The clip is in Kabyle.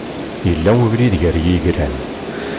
Yella ubrid gar yigran.